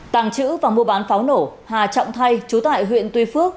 tàng trữ và mua bán pháo nổ hà trọng thay chú tại huyện tuy phước